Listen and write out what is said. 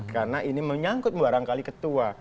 karena ini menyangkut barangkali ketua